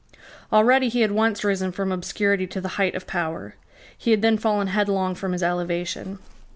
Already he had once risen from obscurity to the height of power. He had then fallen headlong from his elevation.